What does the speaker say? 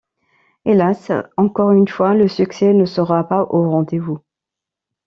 Hélas, encore une fois, le succès ne sera pas au rendez-vous.